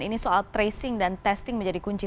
ini soal tracing dan testing menjadi kunci